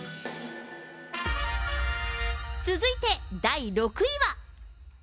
続いて第６位は。